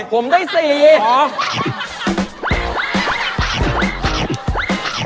ของได้๔ร้อน